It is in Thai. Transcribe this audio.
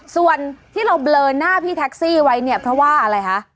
ส่วนที่เราเบลอหน้าพี่แท็กซี่ไว้เนี่ยเพราะว่าอะไรคะ